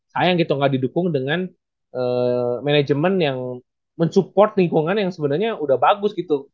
sayang gitu gak didukung dengan manajemen yang mensupport lingkungan yang sebenarnya udah bagus gitu